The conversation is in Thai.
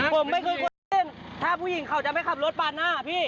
ผมไม่เคยควรเล่นถ้าผู้หญิงเขาจะไม่ขับรถปาดหน้าพี่